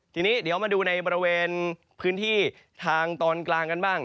ทีนี้เดี๋ยวมาดูในบริเวณพื้นที่ทางตอนกลางกันบ้าง